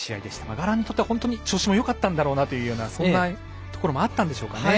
ガランにとっては本当に調子もよかったんだろうなというそんなところもあったんでしょうかね。